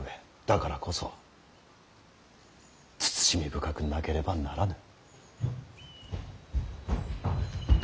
だからこそ慎み深くなければならぬ。